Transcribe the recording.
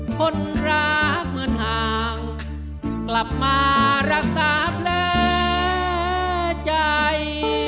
คนรักเหมือนห่างกลับมารักษาแผลใจ